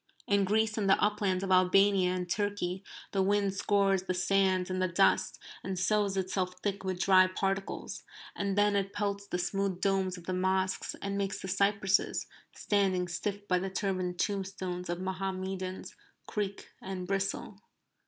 In Greece and the uplands of Albania and Turkey, the wind scours the sand and the dust, and sows itself thick with dry particles. And then it pelts the smooth domes of the mosques, and makes the cypresses, standing stiff by the turbaned tombstones of Mohammedans, creak and bristle.